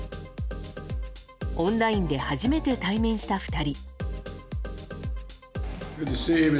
オンラインで初めて対面した２人。